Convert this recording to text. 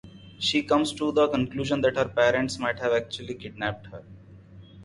She comes to the conclusion that her parents might have actually kidnapped her.